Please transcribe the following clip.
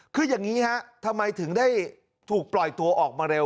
คืออย่างนี้ฮะทำไมถึงได้ถูกปล่อยตัวออกมาเร็ว